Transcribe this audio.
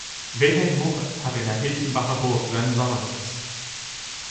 Wilhelm Moritz hatte in der Hilchenbacher Burg seinen Sommersitz.